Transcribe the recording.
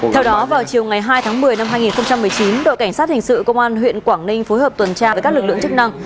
theo đó vào chiều ngày hai tháng một mươi năm hai nghìn một mươi chín đội cảnh sát hình sự công an huyện quảng ninh phối hợp tuần tra với các lực lượng chức năng